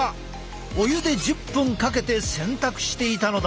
お湯で１０分かけて洗濯していたのだ！